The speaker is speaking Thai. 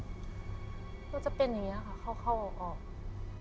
คือจะเป็นอย่างนี้ค่ะเข้าออก